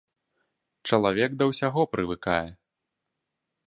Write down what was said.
Чалавек да ўсяго прывыкае.